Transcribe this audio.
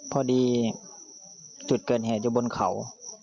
พอดีจุดเกิดเหตุอยู่บนเขา